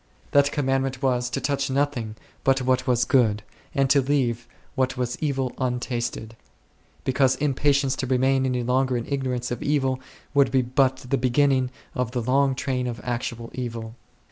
That commandment was, to touch nothing but what was Good, and to leave what was evil untasted ; because impatience to remain any longer in ignorance of evil would be but the beginning of the long train of actual evil.